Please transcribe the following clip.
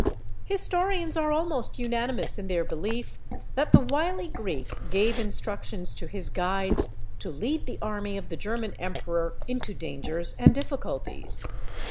Historians are almost unanimous in their belief that the wily Greek gave instructions to his guides to lead the army of the German emperor into dangers and difficulties.